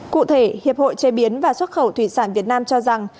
cụ thể hiệp hội chế biến và xuất khẩu thủy sản việt nam cho rằng